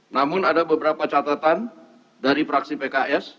namun ada beberapa catatan dari fraksi pks